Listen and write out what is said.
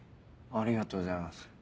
ありがとうございます